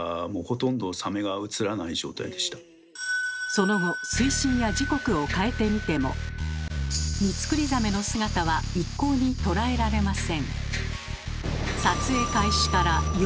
その後水深や時刻を変えてみてもミツクリザメの姿は一向に捉えられません。